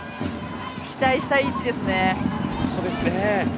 期待したい位置ですね。